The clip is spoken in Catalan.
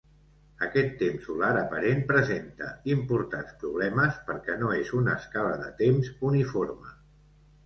Aquest temps solar aparent presenta importants problemes perquè no és una escala de temps uniforme.